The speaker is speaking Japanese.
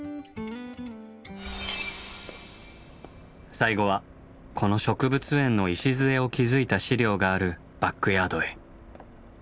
最後はこの植物園の礎を築いた資料があるバックヤードへ。